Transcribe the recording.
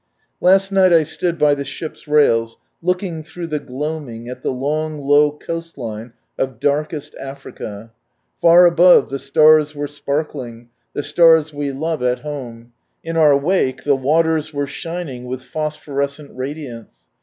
... Last night I stood by the ship's rails, looking through the gloaming, at the long low coast line of Darkest Africa. Far above, the stars were sparkling, the stars we love at home; in our wake the waters were shining with phosphorescent 1 From Albert Docks to Shangha: radiance.